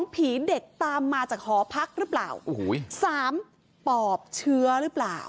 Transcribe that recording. ผีเด็กตามมาจากหอพักหรือเปล่าโอ้โหสามปอบเชื้อหรือเปล่า